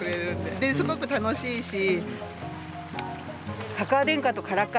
ですごく楽しいし。